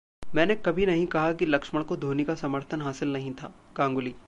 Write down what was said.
मैंने कभी नहीं कहा कि लक्ष्मण को धोनी का समर्थन हासिल नहीं थाः गांगुली